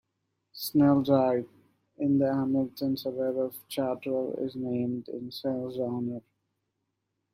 Snell Drive, in the Hamilton suburb of Chartwell, is named in Snell's honour.